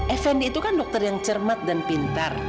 effendi itu kan dokter yang cermat dan pintar